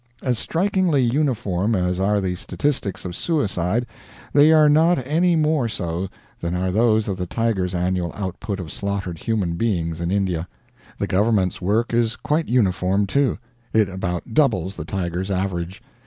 As strikingly uniform as are the statistics of suicide, they are not any more so than are those of the tiger's annual output of slaughtered human beings in India. The government's work is quite uniform, too; it about doubles the tiger's average.